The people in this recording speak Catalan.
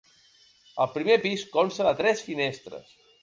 El primer pis consta de tres finestres.